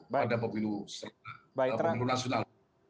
pada pemilu nasional